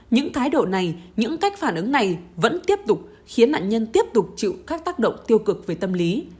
những thái độ này những cách phản ứng này vẫn tiếp tục khiến nạn nhân tiếp tục chịu các tác động tiêu cực về tâm lý